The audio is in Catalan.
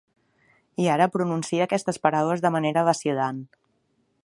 I ara pronuncia aquestes paraules de manera vacil·lant.